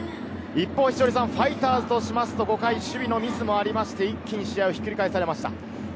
一方、稀哲さん、ファイターズとしますと５回に守備のミスもありまして、一気に試合をひっくり返されました。